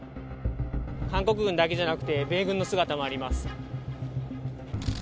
韓国軍だけじゃなくて、米軍の姿もあります。